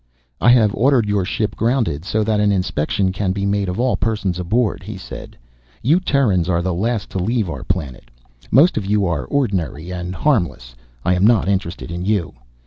"I have ordered your ship grounded so that an inspection can be made of all persons aboard," he said. "You Terrans are the last to leave our planet. Most of you are ordinary and harmless I am not interested in you.